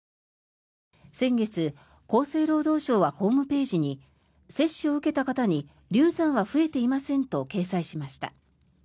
先月、厚生労働省はホームページに接種を受けた方に流産は増えていませんと掲載しました。